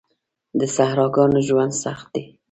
د صحراګانو ژوند سخت دی.